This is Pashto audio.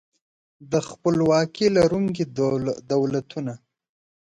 د خپلواکۍ لرونکي دولتونه